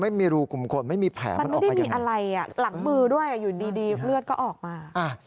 มันไม่ได้มีอะไรหลังมือด้วยอยู่ดีเลือดก็ออกมา